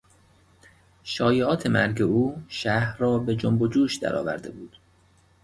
شایعات مرگ او شهر را به جنب و جوش درآورده بود.